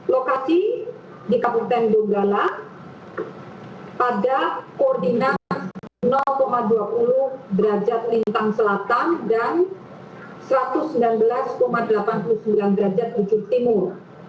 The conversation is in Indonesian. lokasi di kabupaten donggala pada koordinat dua puluh derajat lintang selatan dan satu ratus sembilan belas delapan puluh sembilan derajat ujung timur